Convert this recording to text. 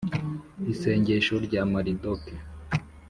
isengesho rya maridoke